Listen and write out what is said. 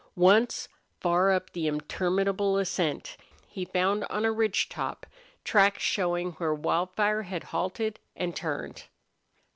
Once, far up the interminable ascent, he found on a ridge top tracks showing where Wildfire had halted and turned.